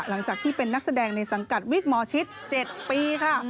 หลังจากที่เป็นนักแสดงในสังกัดวิกหมอชิต๗ปีค่ะ